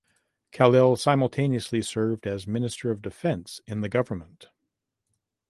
Khalil simultaneously served as Minister of Defence in the government.